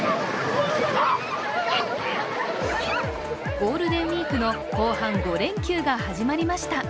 ゴールデンウイークの後半５連休が始まりました。